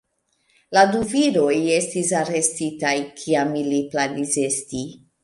La du viroj estis arestitaj, kiam ili planis esti.